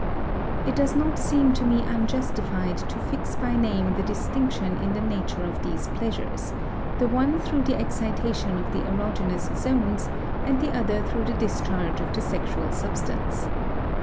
It does not seem to me unjustified to fix by name the distinction in the nature of these pleasures, the one through the excitation of the erogenous zones, and the other through the discharge of the sexual substance.